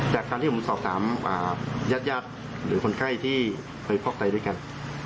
แต่การที่ผมสอบถามยาดหรือคนไก้ที่เคยฟอกตายด้วยกัน